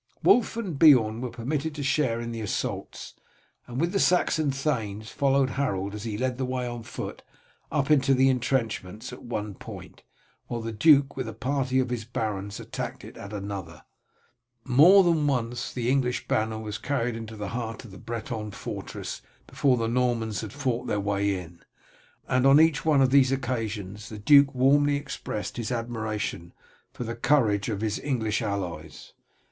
Wulf and Beorn were permitted to share in the assaults, and with the Saxon thanes followed Harold, as he led the way on foot up to the intrenchments at one point, while the duke with a party of his barons attacked at another. More than once the English banner was carried into the heart of the Breton fortress before the Normans had fought their way in, and on each of these occasions the duke warmly expressed his admiration for the courage of his English allies.